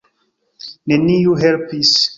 Neniu helpis.